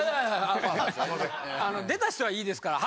あの出た人はいいですから。